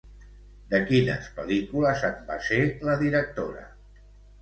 De quines pel·lícules en va ser la directora?